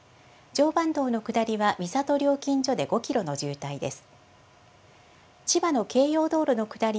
常磐道の下りは三郷料金所で５キロの渋滞です。